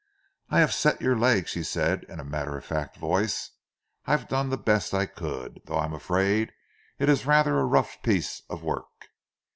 "I have set your leg," she said, in a matter of fact voice. "I've done the best I could, though I am afraid it is rather a rough piece of work."